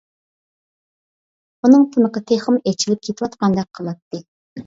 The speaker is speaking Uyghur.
ئۇنىڭ تىنىقى تېخىمۇ ئېچىپ كېتىۋاتقاندەك قىلاتتى.